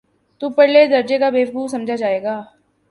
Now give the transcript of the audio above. تو پرلے درجے کا بیوقوف سمجھا جائے گا۔